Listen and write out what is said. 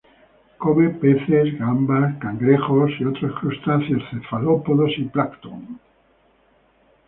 Come peces, gambas, cangrejos y otros crustáceos, cefalópodos y plancton.